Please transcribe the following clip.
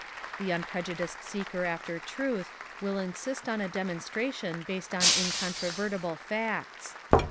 The unprejudiced seeker after truth will insist on a demonstration based on incontrovertible facts.